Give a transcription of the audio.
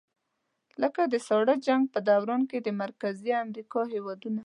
لکه د ساړه جنګ په دوران کې د مرکزي امریکا هېوادونه.